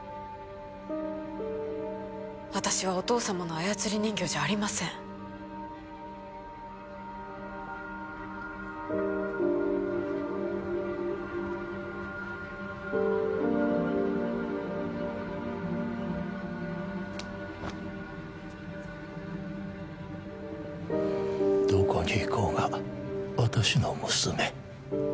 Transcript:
私はお父様の操り人形じゃありませんどこに行こうが私の娘